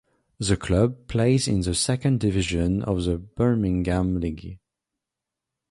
The club plays in the Second Division of the Birmingham League.